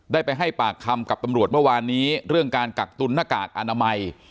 ได้ไปให้ปากคำกับตำรวจเมื่อวานนี้เรื่องการกักตุนหน้ากากอนามัย